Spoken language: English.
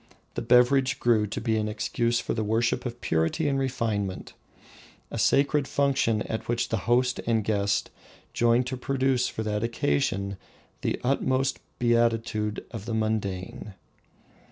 The beverage grew to be an excuse for the worship of purity and refinement, a sacred function at which the host and guest joined to produce for that occasion the utmost beatitude of the mundane.